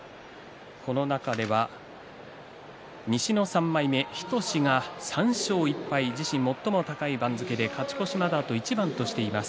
この中では西の３枚目日翔志が３勝１敗自身最も高い番付で勝ち越しまであと一番としています。